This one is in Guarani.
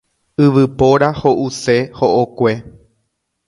Yvypóra ho'use ho'okue.